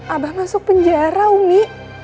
abah masuk penjara umi